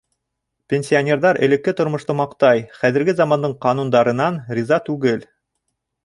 Пенсионерҙар элекке тормошто маҡтай, хәҙерге замандың ҡанундарынан риза түгел.